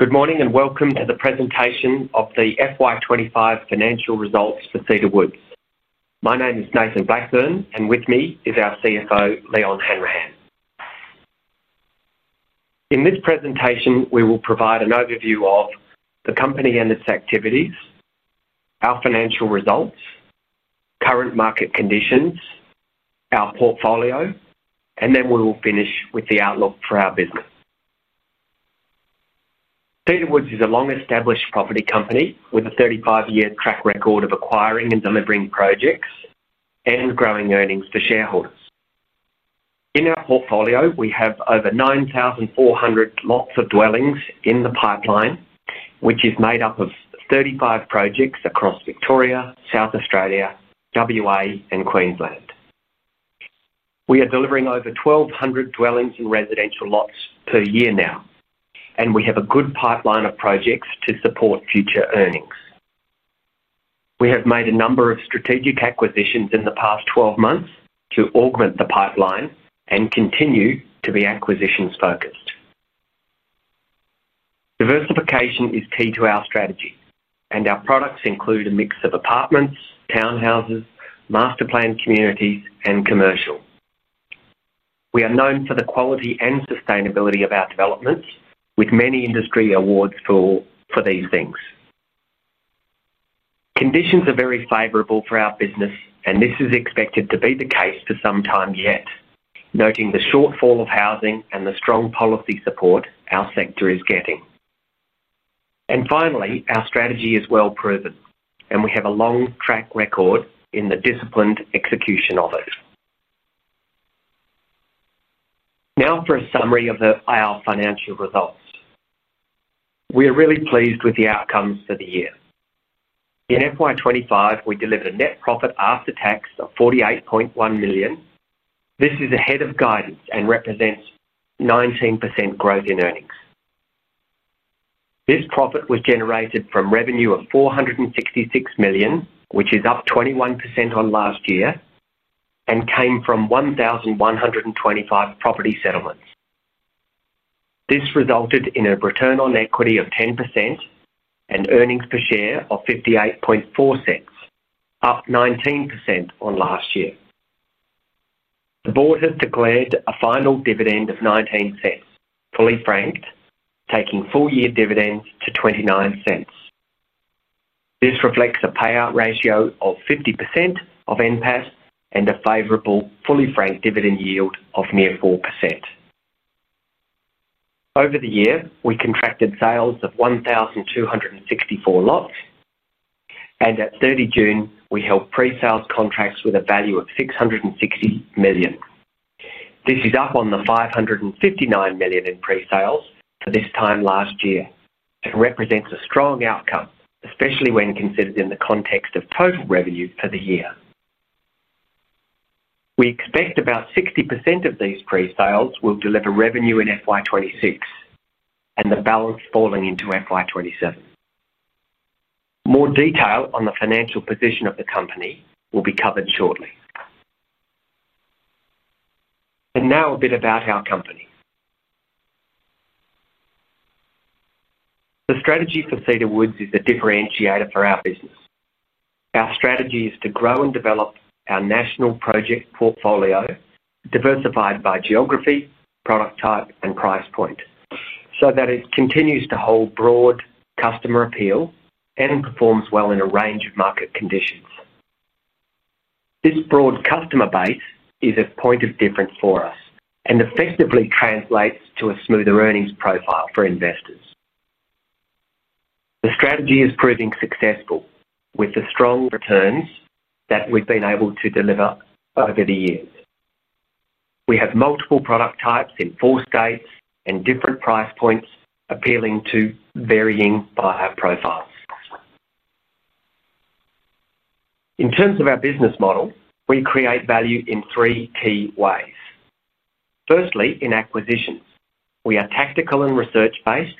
Good morning and Welcome to the Presentation of the FY 2025 Financial Results for Cedar Woods. My name is Nathan Blackburne, and with me is our CFO, Leon Hanrahan. In this presentation, we will provide an overview of the company and its activities, our financial results, current market conditions, our portfolio, and then we will finish with the outlook for our business. Cedar Woods is a long-established property company with a 35-year track record of acquiring and delivering projects and growing earnings for shareholders. In our portfolio, we have over 9,400 lots of dwellings in the pipeline, which is made up of 35 projects across Victoria, South Australia, WA, and Queensland. We are delivering over 1,200 dwellings and residential lots per year now, and we have a good pipeline of projects to support future earnings. We have made a number of strategic acquisitions in the past 12 months to augment the pipeline and continue to be acquisitions-focused. Diversification is key to our strategy, and our products include a mix of apartments, townhouses, master-planned communities, and commercial. We are known for the quality and sustainability of our developments, with many industry awards for these things. Conditions are very favorable for our business, and this is expected to be the case for some time yet, noting the shortfall of housing and the strong policy support our sector is getting. Finally, our strategy is well proven, and we have a long track record in the disciplined execution of it. Now for a summary of our financial results. We are really pleased with the outcomes for the year. In FY 2025, we delivered a net profit after tax of $48.1 million. This is ahead of guidance and represents 19% growth in earnings. This profit was generated from revenue of $466 million, which is up 21% on last year, and came from 1,125 property settlements. This resulted in a return on equity of 10% and earnings per share of $0.584, up 19% on last year. The board has declared a final dividend of $0.19, fully franked, taking full-year dividends to $0.29. This reflects a payout ratio of 50% of NPAT and a favorable, fully franked dividend yield of near 4%. Over the year, we contracted sales of 1,264 lots, and at 30 June, we held pre-sales contracts with a value of $660 million. This is up on the $559 million in pre-sales for this time last year and represents a strong outcome, especially when considered in the context of total revenues for the year. We expect about 60% of these pre-sales will deliver revenue in FY 2026, and the balance falling into FY 2027. More detail on the financial position of the company will be covered shortly. A bit about our company. The strategy for Cedar Woods is a differentiator for our business. Our strategy is to grow and develop our national project portfolio, diversified by geography, product type, and price point, so that it continues to hold broad customer appeal and performs well in a range of market conditions. This broad customer base is a point of difference for us and effectively translates to a smoother earnings profile for investors. The strategy is proving successful with the strong returns that we've been able to deliver over the years. We have multiple product types in four states and different price points, appealing to varying buyer profiles. In terms of our business model, we create value in three key ways. Firstly, in acquisitions, we are tactical and research-based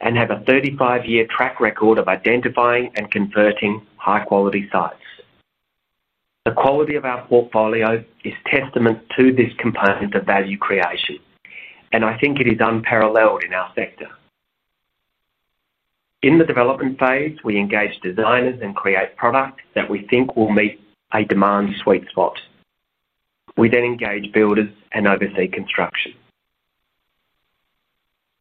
and have a 35-year track record of identifying and converting high-quality sites. The quality of our portfolio is a testament to this component of value creation, and I think it is unparalleled in our sector. In the development phase, we engage designers and create products that we think will meet a demand sweet spot. We then engage builders and oversee construction.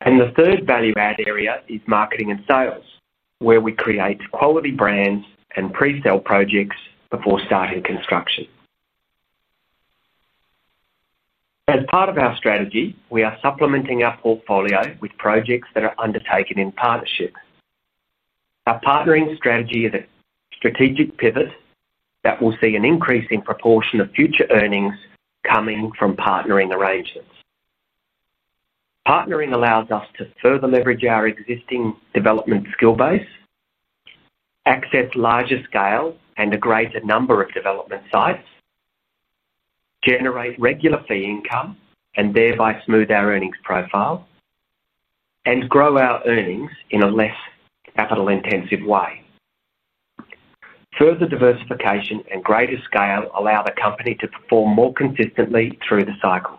The third value-add area is marketing and sales, where we create quality brands and pre-sale projects before starting construction. As part of our strategy, we are supplementing our portfolio with projects that are undertaken in partnership. Our partnering strategy is a strategic pivot that will see an increasing proportion of future earnings coming from partnering arrangements. Partnering allows us to further leverage our existing development skill base, access larger scale and a greater number of development sites, generate regular fee income, thereby smooth our earnings profile, and grow our earnings in a less capital-intensive way. Further diversification and greater scale allow the company to perform more consistently through the cycles.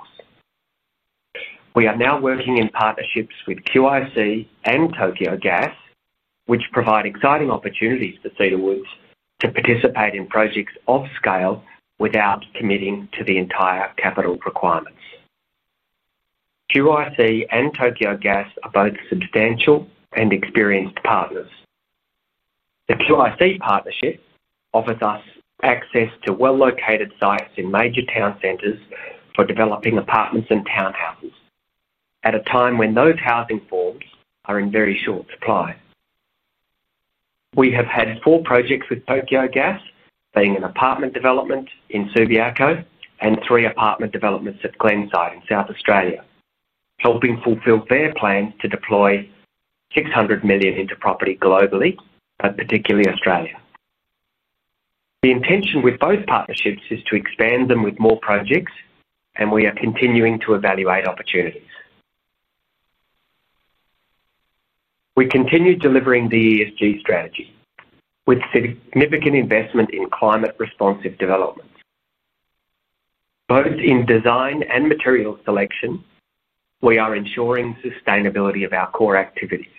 We are now working in partnerships with QIC and Tokyo Gas, which provide exciting opportunities for Cedar Woods to participate in projects of scale without committing to the entire capital requirements. QIC and Tokyo Gas are both substantial and experienced partners. The QIC partnership offers us access to well-located sites in major town centers for developing apartments and townhouses at a time when those housing forms are in very short supply. We have had four projects with Tokyo Gas, being an apartment development in Subiaco, and three apartment developments at Glenside in South Australia, helping fulfill their plans to deploy $600 million into property globally, but particularly Australia. The intention with both partnerships is to expand them with more projects, and we are continuing to evaluate opportunities. We continue delivering the ESG strategy with significant investment in climate-responsive developments. Both in design and material selection, we are ensuring sustainability of our core activities.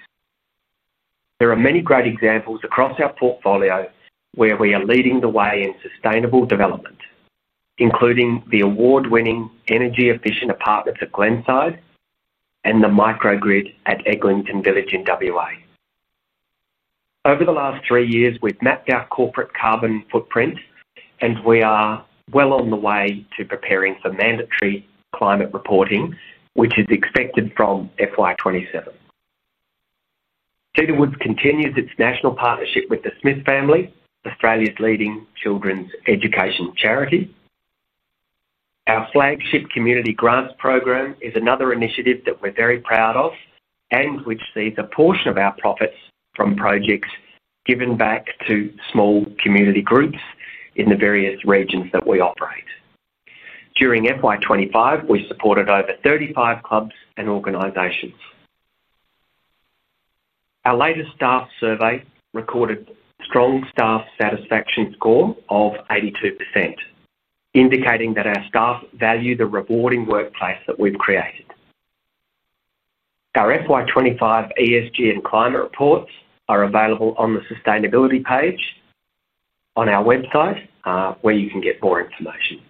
There are many great examples across our portfolio where we are leading the way in sustainable development, including the award-winning energy-efficient apartments at Glenside and the microgrid at Eglinton Village in WA. Over the last three years, we've mapped our corporate carbon footprint, and we are well on the way to preparing for mandatory climate reporting, which is expected from FY 2027. Cedar Woods continues its national partnership with The Smith Family, Australia's leading children's education charity. Our flagship community grants program is another initiative that we're very proud of and which sees a portion of our profits from projects given back to small community groups in the various regions that we operate. During FY 2025, we supported over 35 clubs and organizations. Our latest staff survey recorded a strong staff satisfaction score of 82%, indicating that our staff value the rewarding workplace that we've created. Our FY 2025 ESG and climate reports are available on the sustainability page on our website, where you can get more information.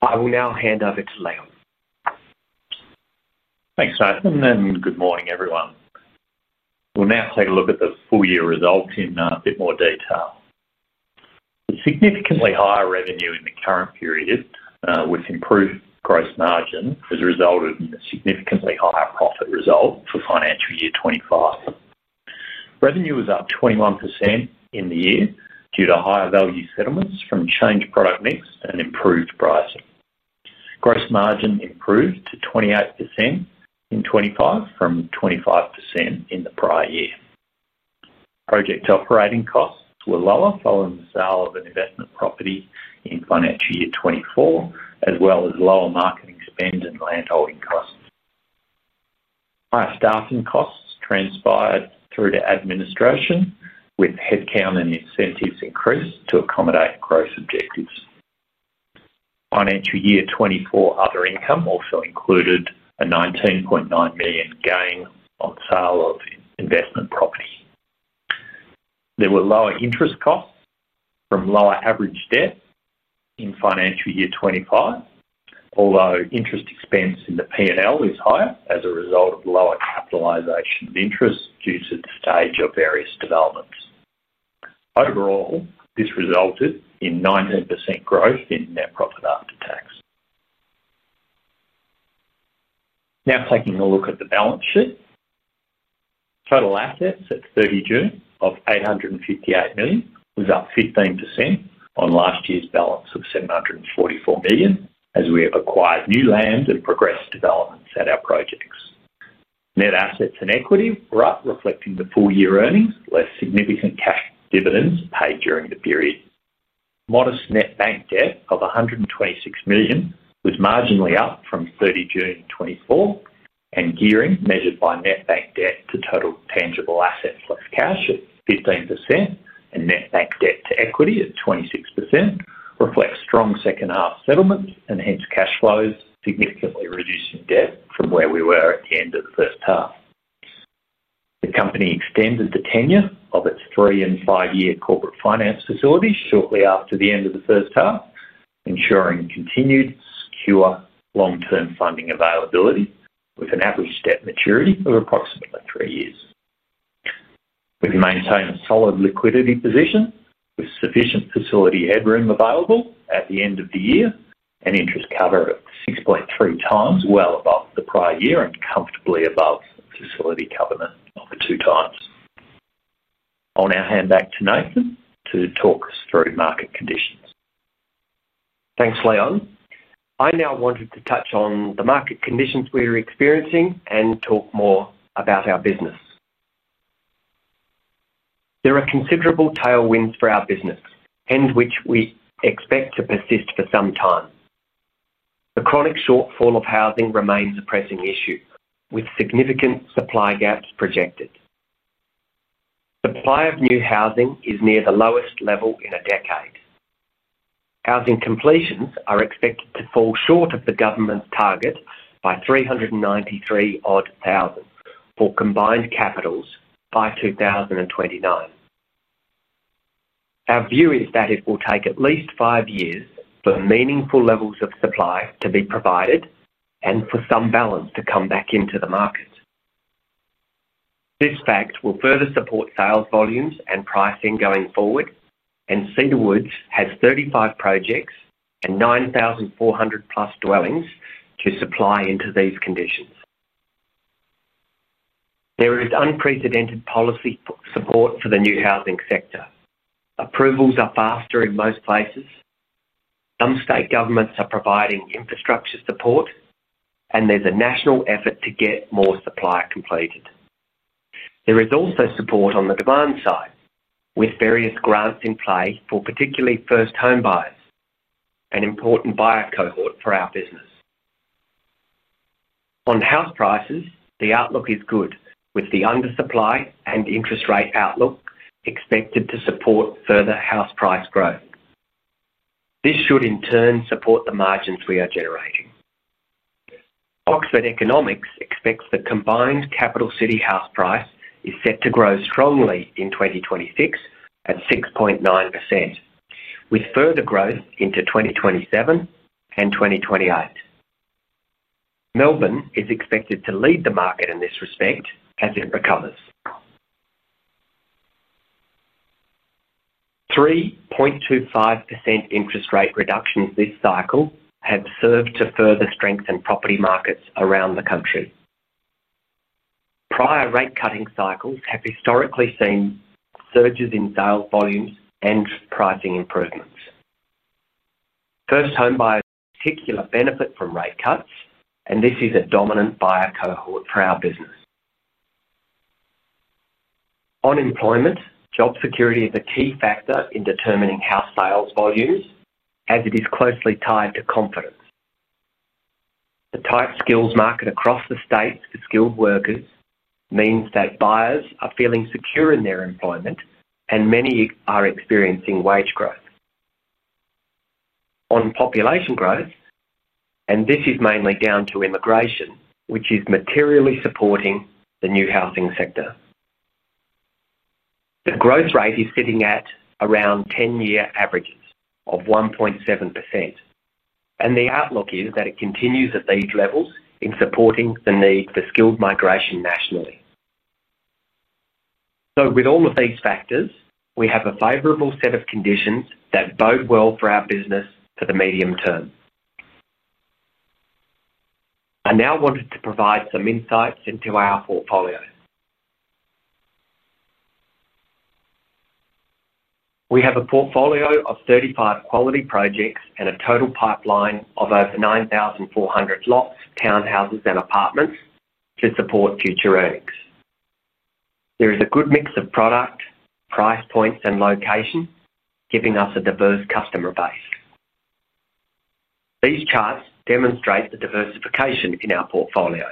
I will now hand over to Leon. Thanks, Nathan. Good morning, everyone. We'll now take a look at the full-year results in a bit more detail. Significantly higher revenue in the current period with improved gross margin as a result of a significantly higher profit result for financial year 2025. Revenue was up 21% in the year due to higher value settlements from changed product mix and improved pricing. Gross margin improved to 28% in 2025 from 25% in the prior year. Project operating costs were lower following the sale of an investment property in financial year 2024, as well as lower marketing spend and landholding costs. Higher staffing costs transpired through to administration, with headcount and incentives increased to accommodate growth objectives. Financial year 2024 other income also included a $19.9 million gain on sale of investment property. There were lower interest costs from lower average debt in financial year 2025, although interest expense in the P&L is higher as a result of lower capitalization of interest due to the stage of various developments. Overall, this resulted in 9% growth in net profit after tax. Now, taking a look at the balance sheet. Total assets at 30 June of $858 million was up 15% on last year's balance of $744 million, as we have acquired new land and progressed developments at our projects. Net assets and equity were up, reflecting the full-year earnings, less significant cash dividends paid during the period. Modest net bank debt of $126 million was marginally up from 30 June 2024, and gearing measured by net bank debt to total tangible assets plus cash at 15% and net bank debt to equity at 26% reflects strong second half settlements and hence cash flows significantly reducing debt from where we were at the end of the first half. The company extended the tenure of its three and five-year corporate finance facilities shortly after the end of the first half, ensuring continued pure long-term funding availability with an average debt maturity of approximately three years. We've maintained a solid liquidity position with sufficient facility headroom available at the end of the year and interest cover at 6.3 times, well above the prior year and comfortably above facility cover of the two times. I'll now hand back to Nathan to talk us through market conditions. Thanks, Leon. I now wanted to touch on the market conditions we are experiencing and talk more about our business. There are considerable tailwinds for our business, which we expect to persist for some time. The chronic shortfall of housing remains a pressing issue, with significant supply gaps projected. Supply of new housing is near the lowest level in a decade. Housing completions are expected to fall short of the government's target by 393,000 for combined capitals by 2029. Our view is that it will take at least five years for meaningful levels of supply to be provided and for some balance to come back into the market. This fact will further support sales volumes and pricing going forward, and Cedar Woods has 35 projects and 9,400 plus dwellings to supply into these conditions. There is unprecedented policy support for the new housing sector. Approvals are faster in most places, some state governments are providing infrastructure support, and there's a national effort to get more supply completed. There is also support on the demand side, with various grants in play for particularly first home buyers, an important buyer cohort for our business. On house prices, the outlook is good, with the undersupply and interest rate outlook expected to support further house price growth. This should in turn support the margins we are generating. Oxford Economics expects the combined capital city house price is set to grow strongly in 2026 at 6.9%, with further growth into 2027 and 2028. Melbourne is expected to lead the market in this respect as it recovers. 3.25% interest rate reductions this cycle have served to further strengthen property markets around the country. Prior rate cutting cycles have historically seen surges in sales volumes and pricing improvements. First home buyers particularly benefit from rate cuts, and this is a dominant buyer cohort for our business. Unemployment job security is a key factor in determining house sales volumes, as it is closely tied to confidence. The tight skills market across the states for skilled workers means that buyers are feeling secure in their employment, and many are experiencing wage growth. On population growth, this is mainly down to immigration, which is materially supporting the new housing sector. The growth rate is sitting at around 10-year averages of 1.7%, and the outlook is that it continues at these levels in supporting the need for skilled migration nationally. With all of these factors, we have a favorable set of conditions that bode well for our business for the medium term. I now wanted to provide some insights into our portfolio. We have a portfolio of 35 quality projects and a total pipeline of over 9,400 lots, townhouses, and apartments to support future earnings. There is a good mix of product, price points, and location, giving us a diverse customer base. These charts demonstrate the diversification in our portfolio.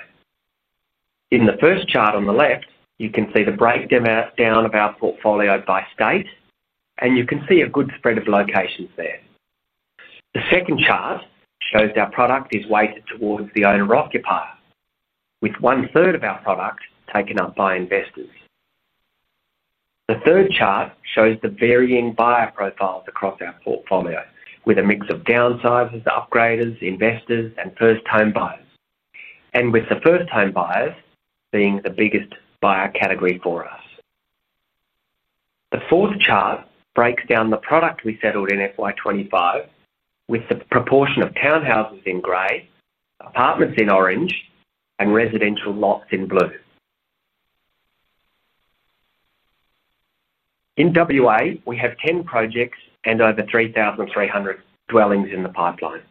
In the first chart on the left, you can see the breakdown of our portfolio by state, and you can see a good spread of locations there. The second chart shows our product is weighted towards the owner-occupier, with one-third of our product taken up by investors. The third chart shows the varying buyer profiles across our portfolio, with a mix of downsizers, upgraders, investors, and first home buyers, and with the first home buyers being the biggest buyer category for us. The fourth chart breaks down the product we settled in FY 2025, with the proportion of townhouses in gray, apartments in orange, and residential lots in blue. In WA, we have 10 projects and over 3,300 dwellings in the pipeline.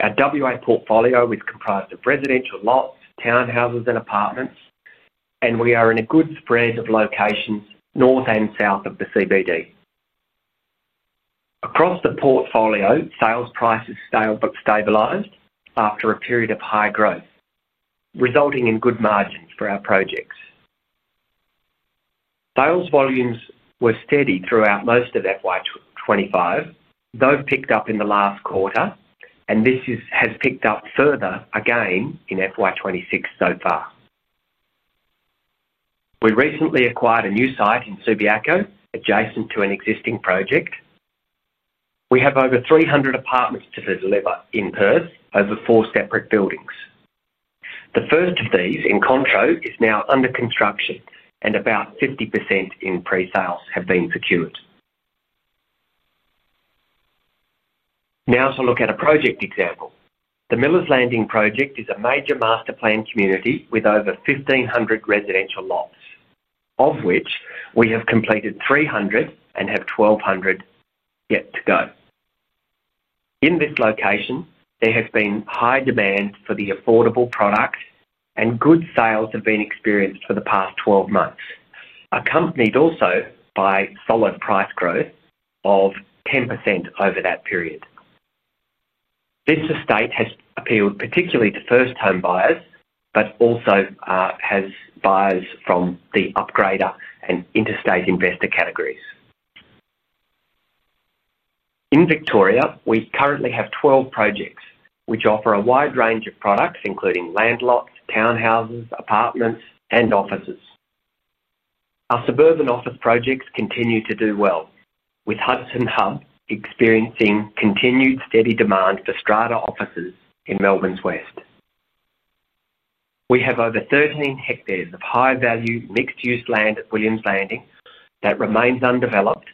Our WA portfolio is comprised of residential lots, townhouses, and apartments, and we are in a good spread of locations north and south of the CBD. Across the portfolio, sales prices stabilized after a period of high growth, resulting in good margins for our projects. Sales volumes were steady throughout most of FY 2025, though picked up in the last quarter, and this has picked up further again in FY 2026 so far. We recently acquired a new site in Subiaco, adjacent to an existing project. We have over 300 apartments to deliver in Perth, over four separate buildings. The first of these in Incontro is now under construction, and about 50% in pre-sales have been secured. Now to look at a project example. The Millars Landing project is a major master-planned community with over 1,500 residential lots, of which we have completed 300 and have 1,200 yet to go. In this location, there has been high demand for the affordable product, and good sales have been experienced for the past 12 months, accompanied also by solid price growth of 10% over that period. This estate has appealed particularly to first home buyers, but also has buyers from the upgrader and interstate investor categories. In Victoria, we currently have 12 projects which offer a wide range of products, including land lots, townhouses, apartments, and offices. Our suburban office projects continue to do well, with Hudson Hub experiencing continued steady demand for strata offices in Melbourne's West. We have over 13 hectares of high-value mixed-use land at Williams Landing that remains undeveloped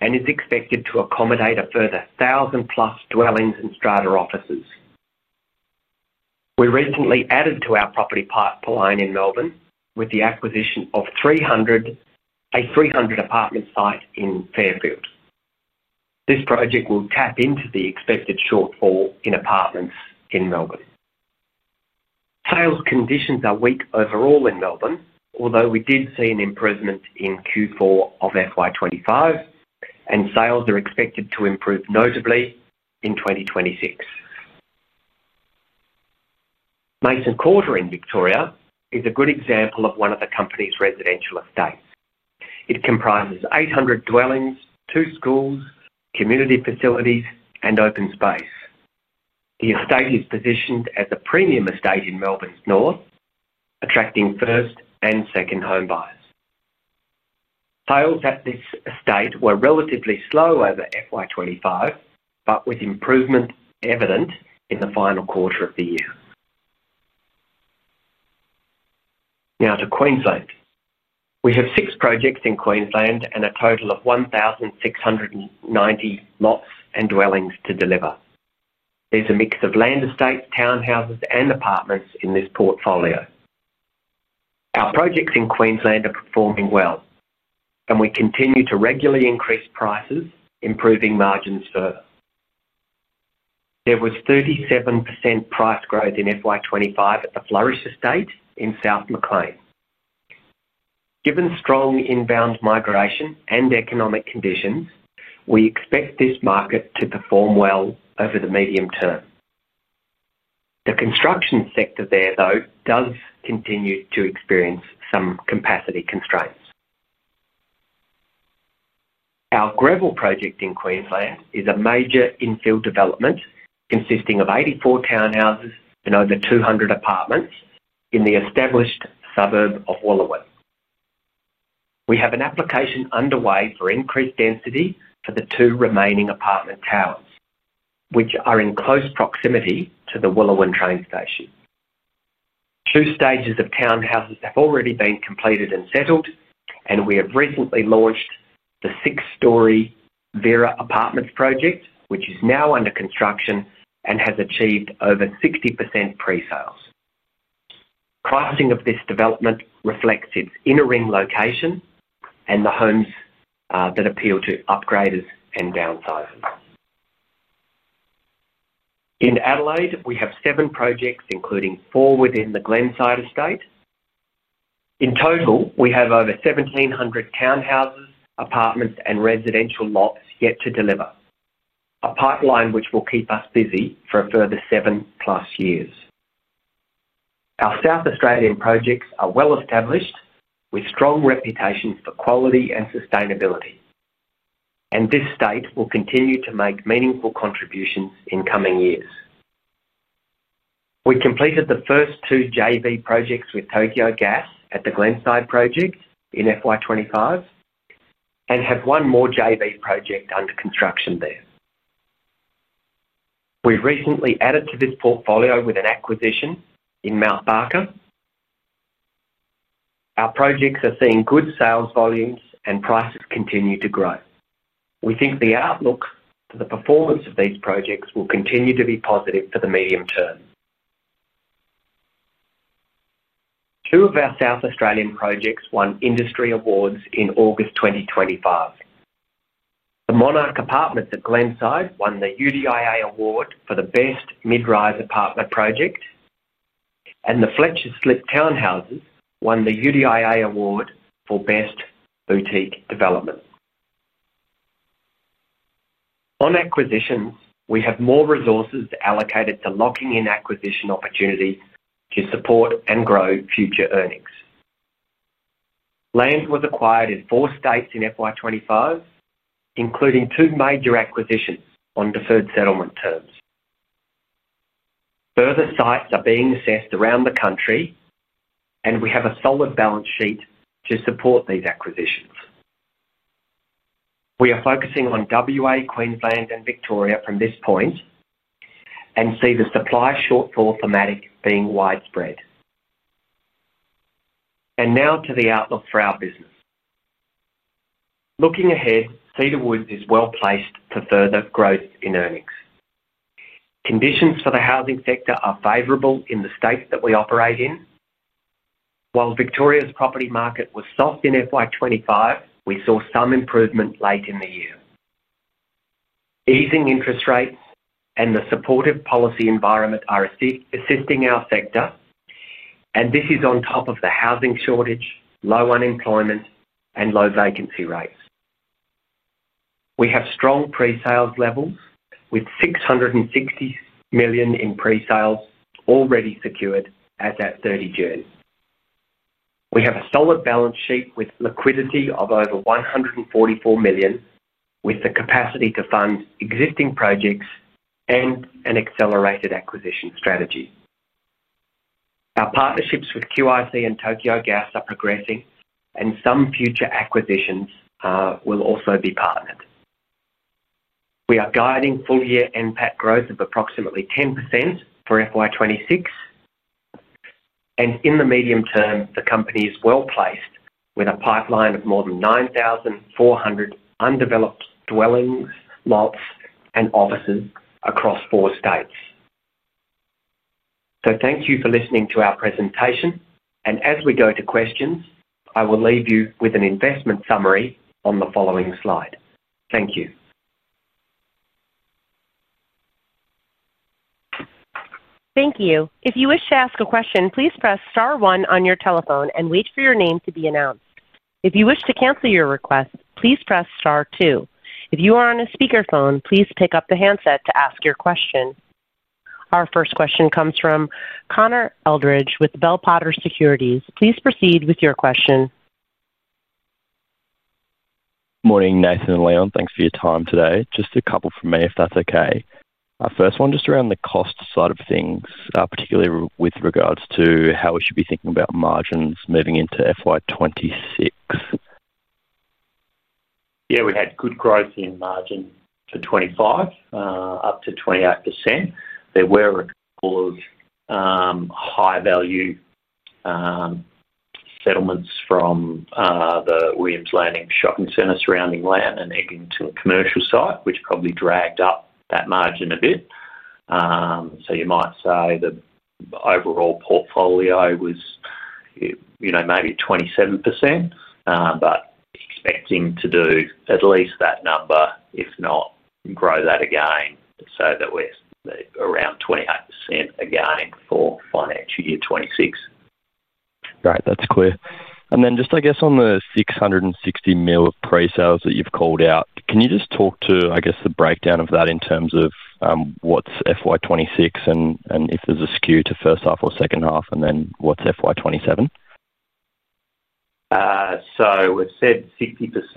and is expected to accommodate a further thousand plus dwellings and strata offices. We recently added to our property pipeline in Melbourne with the acquisition of a 300-apartment site in Fairfield. This project will tap into the expected shortfall in apartments in Melbourne. Sales conditions are weak overall in Melbourne, although we did see an improvement in Q4 of FY 2025, and sales are expected to improve notably in 2026. Mason Quarter in Victoria is a good example of one of the company's residential estates. It comprises 800 dwellings, two schools, community facilities, and open space. The estate is positioned as a premium estate in Melbourne's North, attracting first and second home buyers. Sales at this estate were relatively slow over FY 2025, but with improvement evident in the final quarter of the year. Now to Queensland. We have six projects in Queensland and a total of 1,690 lots and dwellings to deliver. There's a mix of land estates, townhouses, and apartments in this portfolio. Our projects in Queensland are performing well, and we continue to regularly increase prices, improving margins further. There was 37% price growth in FY 2025 at the Flourish Estate in South MacLean. Given strong inbound migration and economic conditions, we expect this market to perform well over the medium term. The construction sector there, though, does continue to experience some capacity constraints. Our Greville project in Queensland is a major infill development consisting of 84 townhouses and over 200 apartments in the established suburb of Wooloowin. We have an application underway for increased density for the two remaining apartment towers, which are in close proximity to the Wooloowin train station. Two stages of townhouses have already been completed and settled, and we have recently launched the six-story Vera Apartments project, which is now under construction and has achieved over 60% pre-sales. Crowding of this development reflects its inner ring location and the homes that appeal to upgraders and downsizers. In Adelaide, we have seven projects, including four within the Glenside Estate. In total, we have over 1,700 townhouses, apartments, and residential lots yet to deliver, a pipeline which will keep us busy for a further 7+ years. Our South Australian projects are well established, with strong reputations for quality and sustainability, and this estate will continue to make meaningful contributions in coming years. We completed the first two JV projects with Tokyo Gas at the Glenside project in FY 2025 and have one more JV project under construction there. We've recently added to this portfolio with an acquisition in Mount Barker. Our projects are seeing good sales volumes and prices continue to grow. We think the outlook for the performance of these projects will continue to be positive for the medium term. Two of our South Australian projects won industry awards in August 2025. The Monarch Apartments at Glenside won the UDIA Award for the Best Mid-Rise Apartment Project, and the Fletcher Slip Townhouses won the UDIA Award for Best Boutique Developments. On acquisitions, we have more resources allocated to locking in acquisition opportunities to support and grow future earnings. Land was acquired in four states in FY 2025, including two major acquisitions on deferred settlement terms. Further sites are being assessed around the country, and we have a solid balance sheet to support these acquisitions. We are focusing on WA, Queensland, and Victoria from this point and see the supply shortfall thematic being widespread. Now to the outlook for our business. Looking ahead, Cedar Woods is well placed for further growth in earnings. Conditions for the housing sector are favorable in the states that we operate in. While Victoria's property market was soft in FY 2025, we saw some improvement late in the year. Easing interest rates and the supportive policy environment are assisting our sector, and this is on top of the housing shortage, low unemployment, and low vacancy rates. We have strong pre-sales levels with $660 million in pre-sales already secured as at 30 June. We have a solid balance sheet with liquidity of over $144 million, with the capacity to fund existing projects and an accelerated acquisition strategy. Our partnerships with QIC and Tokyo Gas are progressing, and some future acquisitions will also be partnered. We are guiding full-year NPAT growth of approximately 10% for FY 2026, and in the medium term, the company is well placed with a pipeline of more than 9,400 undeveloped dwellings, lots, and offices across four states. Thank you for listening to our presentation, and as we go to questions, I will leave you with an investment summary on the following slide. Thank you. Thank you. If you wish to ask a question, please press star one on your telephone and wait for your name to be announced. If you wish to cancel your request, please press star two. If you are on a speaker phone, please pick up the handset to ask your question. Our first question comes from Connor Eldridge with Bell Potter Securities. Please proceed with your question. Morning Nathan and Leon, thanks for your time today. Just a couple for me if that's okay. Our first one just around the cost side of things, particularly with regards to how we should be thinking about margins moving into FY 2026. Yeah, we had good growth in margin for 2025, up to 28%. There were a couple of high-value settlements from the Williams Landing shopping center surrounding land and Eglinton commercial site, which probably dragged up that margin a bit. You might say the overall portfolio was, you know, maybe 27%, but expecting to do at least that number, if not grow that again so that we're around 28% again for financial year 2026. Right, that's clear. Just on the $660 million pre-sales that you've called out, can you talk to the breakdown of that in terms of what's FY 2026 and if there's a skew to first half or second half, and then what's FY 2027? We've said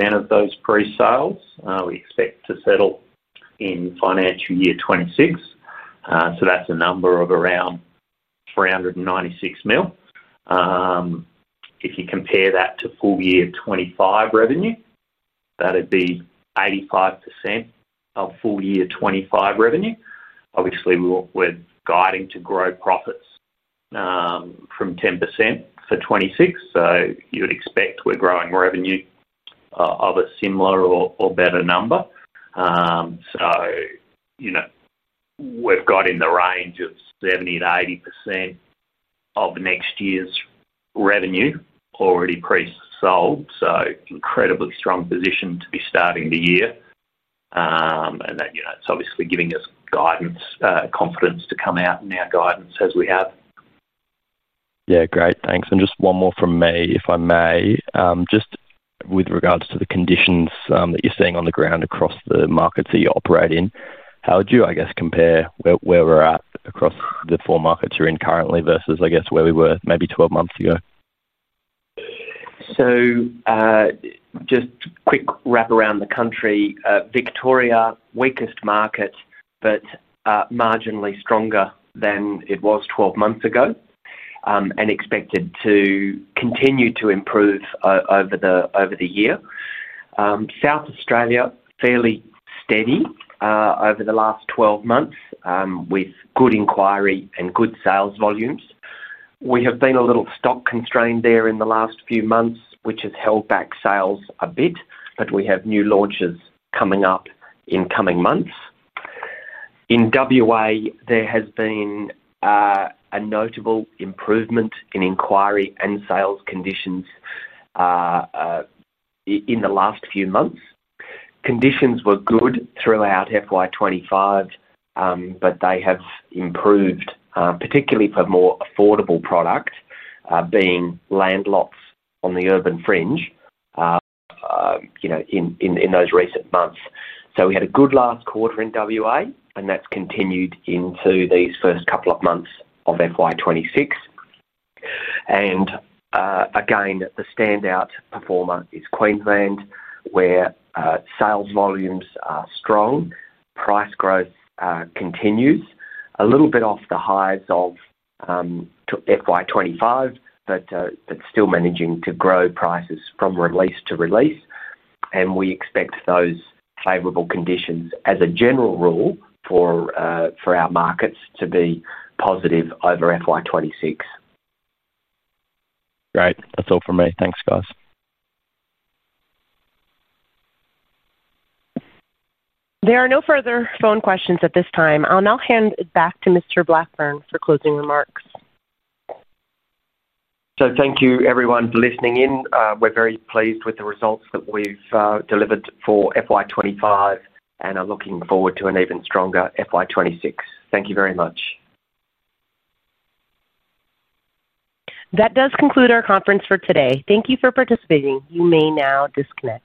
60% of those pre-sales we expect to settle in financial year 2026. That's a number of around $396 million. If you compare that to full-year 2025 revenue, that would be 85% of full-year 2025 revenue. Obviously, we're guiding to grow profits from 10% for 2026, so you'd expect we're growing revenue of a similar or better number. We've got in the range of 70-80% of the next year's revenue already pre-sold, which is an incredibly strong position to be starting the year. That is obviously giving us confidence to come out in our guidance as we have. Yeah, great, thanks. Just one more from me, if I may, with regards to the conditions that you're seeing on the ground across the markets that you operate in, how would you compare where we're at across the four markets you're in currently versus where we were maybe 12 months ago? Just a quick wrap around the country. Victoria is the weakest market, but marginally stronger than it was 12 months ago and expected to continue to improve over the year. South Australia has been fairly steady over the last 12 months with good inquiry and good sales volumes. We have been a little stock constrained there in the last few months, which has held back sales a bit, but we have new launches coming up in coming months. In WA, there has been a notable improvement in inquiry and sales conditions in the last few months. Conditions were good throughout FY 2025, but they have improved, particularly for more affordable product, being land lots on the urban fringe in those recent months. We had a good last quarter in WA, and that's continued into these first couple of months of FY 2026. The standout performer is Queensland, where sales volumes are strong, price growth continues, a little bit off the highs of FY 2025, but still managing to grow prices from release to release. We expect those favorable conditions as a general rule for our markets to be positive over FY 2026. Great, that's all for me. Thanks, guys. There are no further phone questions at this time. I'll now hand it back to Mr. Blackburne for closing remarks. Thank you, everyone, for listening in. We're very pleased with the results that we've delivered for FY 2025 and are looking forward to an even stronger FY 2026. Thank you very much. That does conclude our conference for today. Thank you for participating. You may now disconnect.